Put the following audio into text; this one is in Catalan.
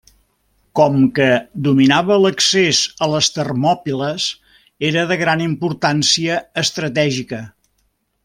Com que dominava l'accés a les Termòpiles era de gran importància estratègica.